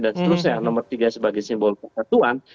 dan seterusnya nomor tiga sebagai simbol kekatuan